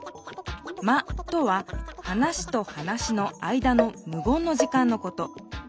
「間」とは話と話の間のむ言の時間のこと。